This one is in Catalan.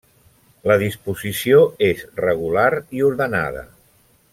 La disposició és regular i ordenada.